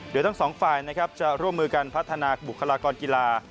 โดยทั้งสองฝ่ายนะครับจะร่วมมือกันพัฒนาบุคลากรกีฬา